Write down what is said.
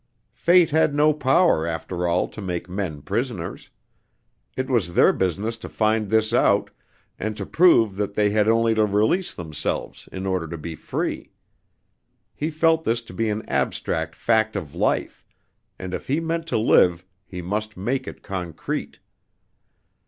Fate had no power after all to make men prisoners. It was their business to find this out, and to prove that they had only to release themselves, in order to be free. He felt this to be an abstract fact of life; and if he meant to live he must make it concrete.